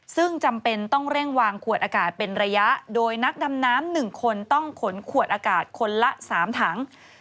ซึ่งจำเป็นต้องเร่งวางขวดอากาศเป็นระยะโดยนักดำน้ำ๑คนต้องขนขวดอากาศคนละ๓ถัง